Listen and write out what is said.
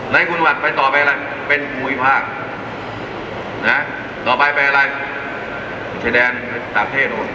ในคุมจังหวัดไปต่อไปอะไรเป็นภูมิภาคต่อไปเป็นอะไรประเทศแดนภูมิภาค